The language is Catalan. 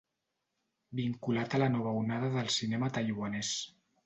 Vinculat a la Nova Onada del cinema taiwanès.